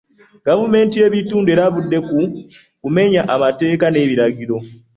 Gavumenti y'ebitundu erabula ku kumenya amateeka n'ebiragiro.